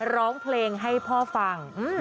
ร้องเพลงให้พ่อฟัง